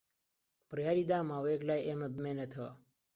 بڕیاری دا ماوەیەک لای ئێمە بمێنێتەوە.